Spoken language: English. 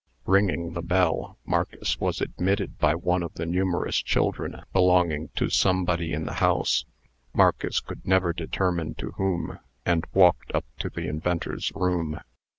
Ringing the bell, Marcus was admitted by one of the numerous children belonging to somebody in the house (Marcus could never determine to whom), and walked up to the inventor's room.